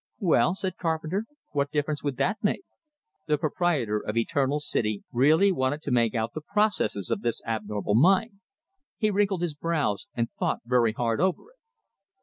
"Well," said Carpenter, "what difference would that make?" The proprietor of Eternal City really wanted to make out the processes of this abnormal mind. He wrinkled his brows, and thought very hard over it.